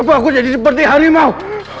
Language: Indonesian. apa aku jadi seperti harimau